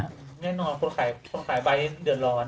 แน่นอนคนขายใบนี้เดือดร้อน